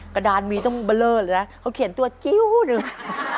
กระดานมีต้องเบอร์เลอร์เลยนะเขาเขียนตัวจิ้วหนึ่ง